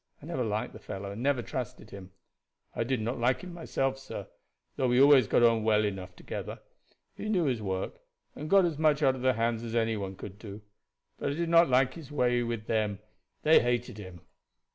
I never liked the fellow, and never trusted him." "I did not like him myself, sir, though we always got on well enough together. He knew his work, and got as much out of the hands as any one could do; but I did not like his way with them. They hated him."